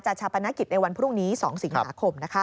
จะชับประณกิจในวันพรุ่งนี้๒สิงหาคม